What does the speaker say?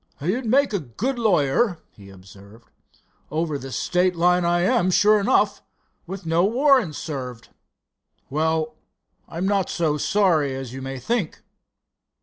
"You'd make a good lawyer," he observed. "Over the state line I am, sure enough, with no warrant served. Well, I'm not so sorry as you may think."